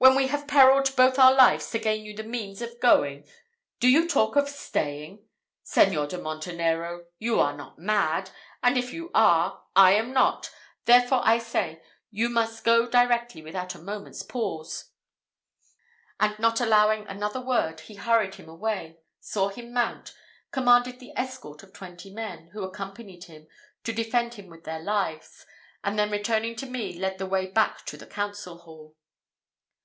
"When we have perilled both our lives to gain you the means of going, do you talk of staying? Señor de Montenero, you are not mad; and if you are, I am not; therefore I say, you must go directly, without a moment's pause;" and not allowing another word, he hurried him away, saw him mount, commanded the escort of twenty men, who accompanied him, to defend him with their lives; and then returning to me, led the way back to the council hall.